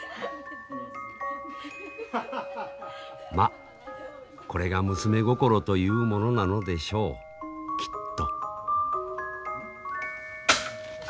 まあこれが娘心というものなのでしょうきっと。